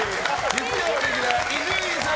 月曜レギュラー伊集院さん！